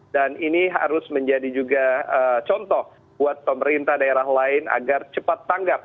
dan ini harus menjadi juga contoh buat pemerintah daerah lain agar cepat tanggap